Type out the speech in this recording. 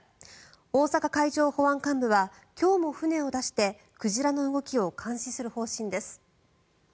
大阪海上保安監部は今日も船を出して鯨の動きを監視する方針です。